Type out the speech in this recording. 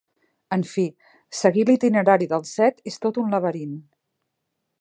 En fi, seguir l'itinerari del Set és tot un laberint.